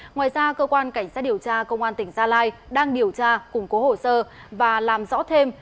ngoài ra cơ quan cảnh sát điều tra công an tỉnh gia lai đang điều tra củng cố hồ sơ và làm rõ thêm